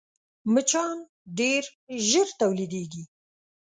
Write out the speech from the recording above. مچان ډېر ژر تولیدېږي